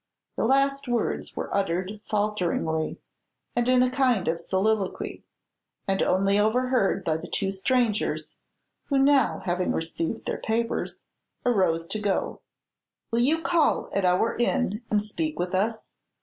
The last words were uttered falteringly, and in a kind of soliloquy, and only overheard by the two strangers, who now, having received their papers, arose to withdraw. "Will you call at our inn and speak with us?